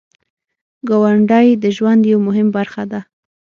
ګاونډی د ژوند یو مهم برخه ده